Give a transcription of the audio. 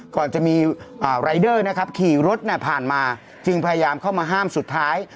ก่อนจะมีรายเดอร์นะครับขี่รถผ่านมาจึงพยายามเข้ามาห้ามสุดท้าย